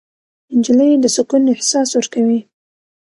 نجلۍ د سکون احساس ورکوي.